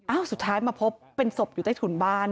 สุดท้ายมาพบเป็นศพอยู่ใต้ถุนบ้าน